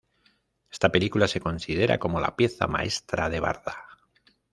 Esta película se considera como la pieza maestra de Varda.